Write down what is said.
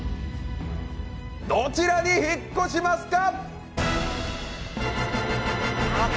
どちらに引っ越しますか？